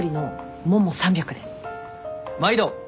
毎度！